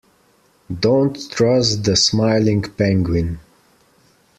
Don't trust the smiling penguin.